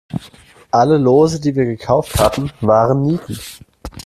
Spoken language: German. Alle Lose, die wir gekauft hatten, waren Nieten.